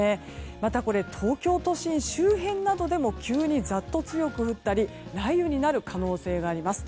また、これ東京都心周辺などでも急に、ざっと強く降ったり雷雨になる可能性もあります。